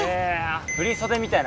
振袖みたいな。